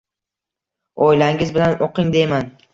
Oilangiz bilan o‘qing, deyman.